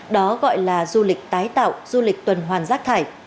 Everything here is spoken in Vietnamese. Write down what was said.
đó gọi là du lịch tái tạo du lịch tuần hoàn rác thải